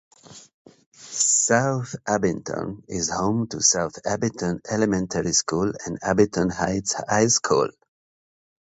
South Abington is home to South Abington Elementary School and Abington Heights High School.